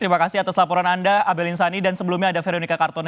terima kasih atas laporan anda abelin sani dan sebelumnya ada veronica kartono